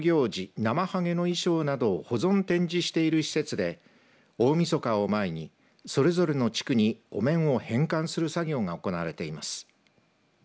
なまはげの衣装などを保存、展示している施設で大みそかを前にそれぞれの地区にお面を返還する作業が行われています。